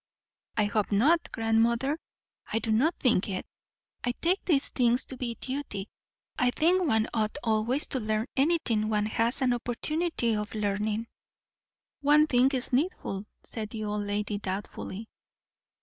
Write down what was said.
"I hope not, grandmother. I do not think it. I take these things to be duty. I think one ought always to learn anything one has an opportunity of learning." "One thing is needful," said the old lady doubtfully.